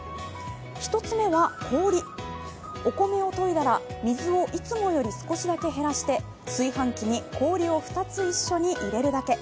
１つ目は氷、お米をといだら、水をいつもより少しだけ減らして炊飯器に氷を２つ一緒に入れるだけ。